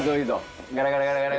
ガラガラガラガラ。